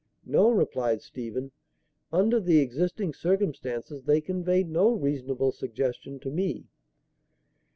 "No," replied Stephen. "Under the existing circumstances they convey no reasonable suggestion to me."